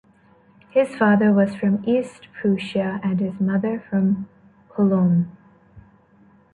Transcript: His father was from East Prussia and his mother, from Cologne.